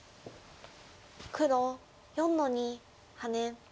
黒４の二ハネ。